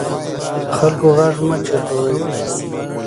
د خلکو غږ مه چوپوئ